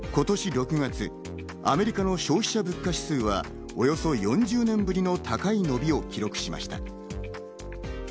今年６月、アメリカの消費者物価指数はおよそ４０年ぶりの高い伸びを記録しました。